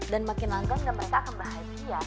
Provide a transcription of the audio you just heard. dan makin langgang mereka akan bahagia